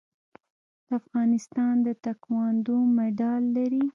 د افغانستان تکواندو مډال لري